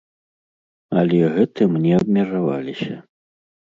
Але гэтым не абмежаваліся.